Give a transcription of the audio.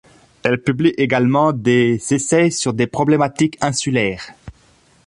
Elle publie également des essais sur des problématiques insulaires.